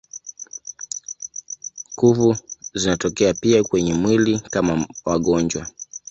Kuvu zinatokea pia kwenye mwili kama magonjwa.